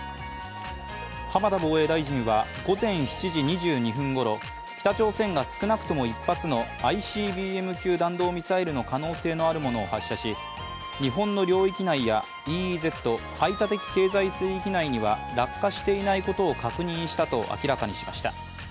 浜田防衛大臣は午前７時２２分ごろ北朝鮮が少なくとも１発のＩＣＢＭ級弾道ミサイルの可能性があるものを発射し日本の領域内やＥＥＺ＝排他的経済水域内には落下していないことを確認したと明らかにしました。